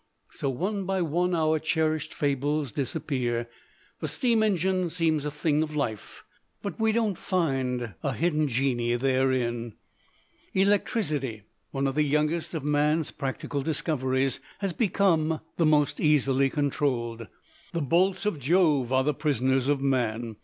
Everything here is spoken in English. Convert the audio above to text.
So one by one our cherished fables disappear. The steam engine seems a thing of life; but we do not find a hidden geni therein. Electricity, one of the youngest of man's practical discoveries, has become the most easily controlled. The bolts of Jove are the prisoners of man.